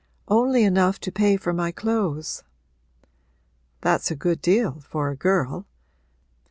'Only enough to pay for my clothes.' 'That's a good deal, for a girl.